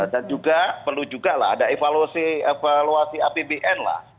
dan juga perlu juga lah ada evaluasi apbn lah